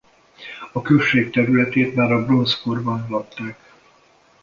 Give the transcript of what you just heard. A község területét már a bronzkorban lakták.